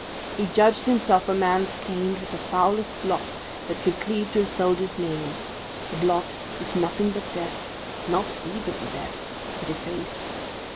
He judged himself a man stained with the foulest blot that could cleave to a soldier's name, a blot which nothing but death, not even death, could efface.